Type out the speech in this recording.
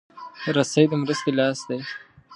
رسۍ د مرستې لاس دی.